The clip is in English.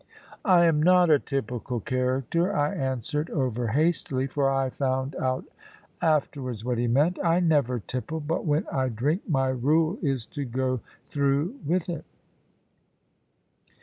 "I am not a typical character," I answered, over hastily, for I found out afterwards what he meant. "I never tipple; but when I drink, my rule is to go through with it."